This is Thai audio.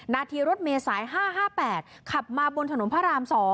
นาทีรถเมษาย๕๕๘ขับมาบนถนนพระราม๒